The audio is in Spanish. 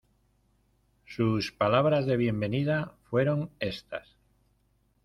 sus palabras de bienvenida fueron éstas: